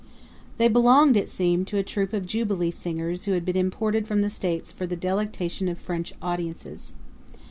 They belonged, it seemed, to a troupe of jubilee singers who had been imported from the States for the delectation of French audiences.